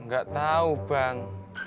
gak tau bang